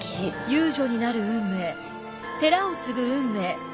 遊女になる運命寺を継ぐ運命。